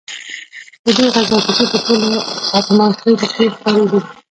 ددې غزا کیسې په ټولو اتمانخيلو کې خپرې دي.